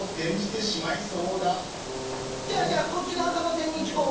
じゃあじゃあこっちの赤葉千日紅。